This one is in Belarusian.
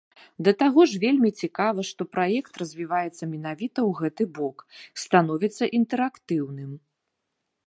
Да таго ж, вельмі цікава, што праект развіваецца менавіта ў гэты бок, становіцца інтэрактыўным.